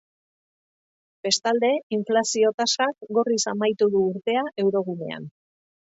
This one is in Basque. Bestalde, inflazio-tasak gorriz amaitu du urtea eurogunean.